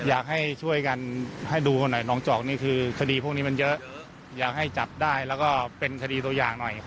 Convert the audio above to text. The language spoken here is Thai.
อยากให้ช่วยกันให้ดูเข้าหน่อย